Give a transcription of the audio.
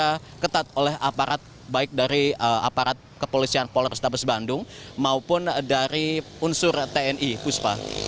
secara ketat oleh aparat baik dari aparat kepolisian polrestabes bandung maupun dari unsur tni puspa